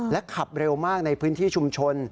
ขับเร็วมากในพื้นที่ชุมชน